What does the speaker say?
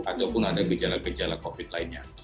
ataupun ada gejala gejala covid lainnya